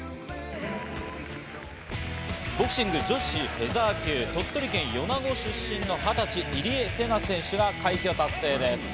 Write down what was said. ボクシング女子フェザー級、鳥取県米子市出身の２０歳、入江聖奈選手が快挙達成です。